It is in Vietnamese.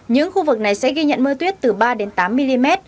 những khu vực này sẽ ghi nhận mưa tuyết từ ba đến tám mm